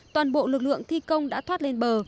toàn bộ lực lượng thi công đã thoát lên bờ